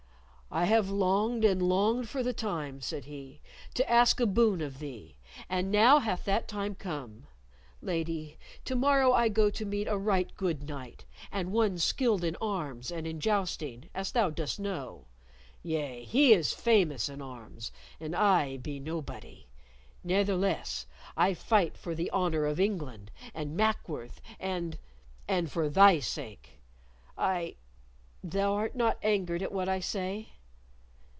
"I have longed and longed for the time," said he, "to ask a boon of thee, and now hath that time come. Lady, to morrow I go to meet a right good knight, and one skilled in arms and in jousting, as thou dost know. Yea, he is famous in arms, and I be nobody. Ne'theless, I fight for the honor of England and Mackworth and and for thy sake. I Thou art not angered at what I say?"